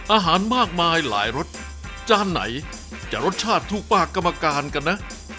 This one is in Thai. อาหารมากมายหลายรสจานไหนจะรสชาติถูกปากกรรมการกันนะ